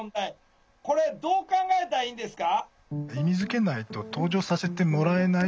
これどう考えたらいいんですか？